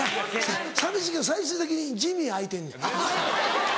寂しいけど最終的にジミー空いてんねん。